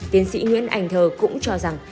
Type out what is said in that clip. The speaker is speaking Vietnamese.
tiến sĩ nguyễn ảnh thờ cũng cho rằng